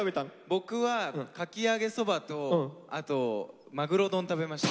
僕はかき揚げそばとあとまぐろ丼食べました。